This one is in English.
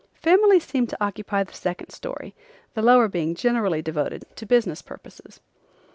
Families seem to occupy the second story, the lower being generally devoted to business purposes.